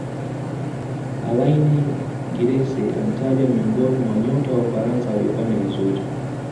alaine giresse alitajwa miongoni wa nyota wa ufaransa waliofanya vizuri